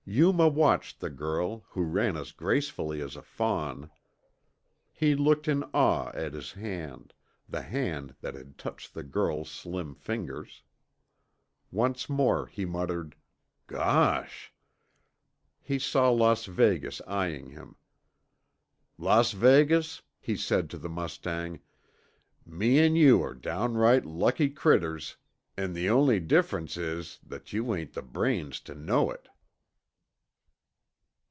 Yuma watched the girl, who ran as gracefully as a fawn. He looked in awe at his hand, the hand that had touched the girl's slim fingers. Once more he muttered, "Gosh." He saw Las Vegas eyeing him. "Las Vegas," he said to the mustang, "me an' you are downright lucky critters, an' the only difference is that you ain't the brains tuh know it."